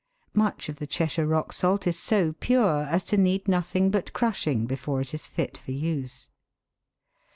Much of the ChesTrire rock salt is so pure as to need nothing but crushing before it is fit for use.